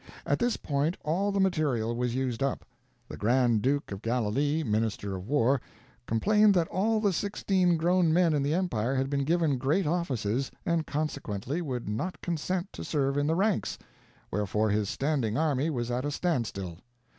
At this point all the material was used up. The Grand Duke of Galilee, minister of war, complained that all the sixteen grown men in the empire had been given great offices, and consequently would not consent to serve in the ranks; wherefore his standing army was at a stand still.